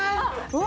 うわ！